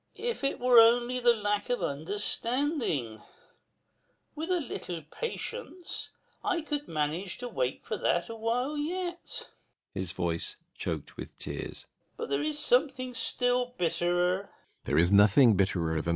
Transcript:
] If it were only the lack of understanding with a little patience, one could manage to wait for that awhile yet. [His voice choked with tears.] But there is something still bitterer.